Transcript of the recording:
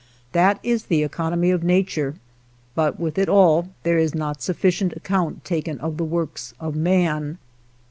That is the economy of nature, but with it all there is not sufficient account taken of the works of man.